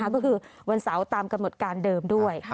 ก็คือวันเสาร์ตามกำหนดการเดิมด้วย